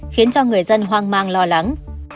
khiến cho người dân hoang mang lo lắng